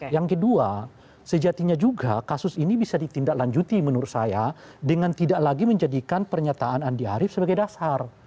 yang kedua sejatinya juga kasus ini bisa ditindaklanjuti menurut saya dengan tidak lagi menjadikan pernyataan andi arief sebagai dasar